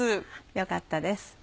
よかったです。